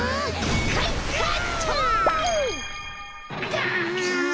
ガン！